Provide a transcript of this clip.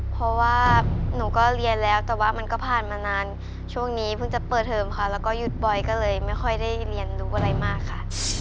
เพราะว่าหนูก็เรียนแล้วแต่ว่ามันก็ผ่านมานานช่วงนี้เพิ่งจะเปิดเทอมค่ะแล้วก็หยุดบ่อยก็เลยไม่ค่อยได้เรียนรู้อะไรมากค่ะ